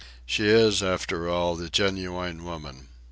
She is, after all, the genuine woman.